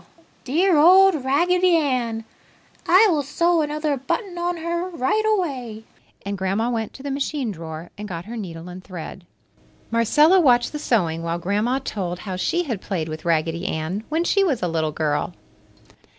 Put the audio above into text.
Dear old Raggedy Ann! I will sew another button on her right away!" and Grandma went to the machine drawer and got her needle and thread. Marcella watched the sewing while Grandma told how she had played with Raggedy Ann when she was a little girl.